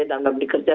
dan pemberi kerja